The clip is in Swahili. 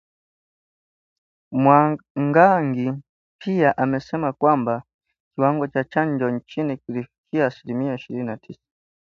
Mwangangi pia amesema kwamba kiwango cha chanjo nchini kilifikia asilimia ishirini na tisa